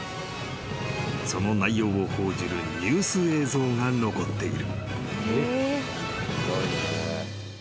［その内容を報じるニュース映像が残っている］